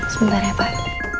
sebentar ya pak